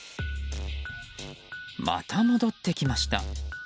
また戻ってきました。